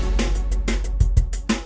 my panggung alat jujur